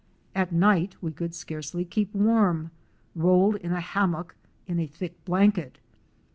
At night we could scarcely keep warm rolled in a hammock in a thick blanket.